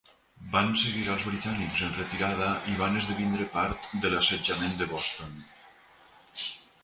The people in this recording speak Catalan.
Van seguir als britànics en retirada, i van esdevindre part de l'assetjament de Boston.